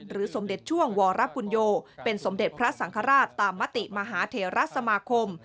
สมเด็จช่วงวรปุญโยเป็นสมเด็จพระสังฆราชตามมติมหาเทราสมาคม